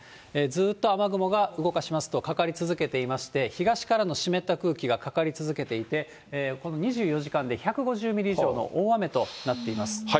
ずっと雨雲が、動かしますと、かかり続けていまして、東からの湿った空気がかかり続けていて、この２４時間で１５０ミリ以上の大雨となっています。